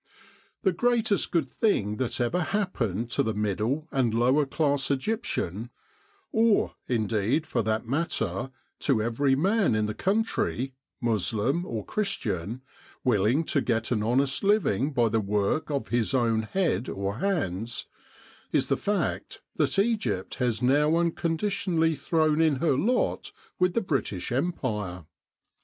The greatest good thing that ever happened to the middle and lower class Egyptian or, indeed for that matter, to every man in the country, Moslem or Christian, will ing to get an honest living by the work of his own head or hands is the fact that Egypt has now uncon ditionally thrown in her lot with the British Empire.